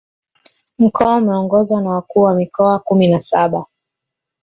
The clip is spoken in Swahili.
Mkoa umeongozwa na Wakuu wa Mikoa kumi na saba